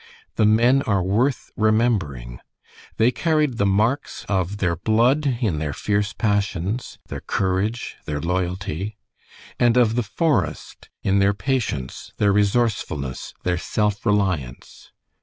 The men are worth remembering. They carried the marks of their blood in their fierce passions, their courage, their loyalty; and of the forest in their patience, their resourcefulness, their self reliance.